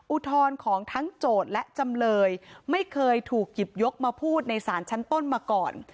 อุทธรณ์ของทั้งโจทย์และจำเลยไม่เคยถูกหยิบยกมาพูดในศาลชั้นต้นมาก่อน